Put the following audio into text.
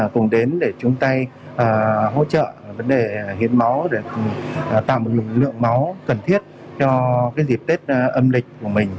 cùng đến để chung tay hỗ trợ vấn đề hiến máu để tạo một lượng máu cần thiết cho dịp tết âm lịch của mình